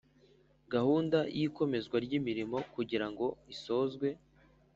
Gahunda y ‘ikomeza ry’ imirimo kugira ngo isozwe